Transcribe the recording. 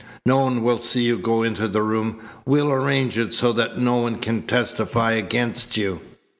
No one will see you go in the room. We'll arrange it so that no one can testify against you."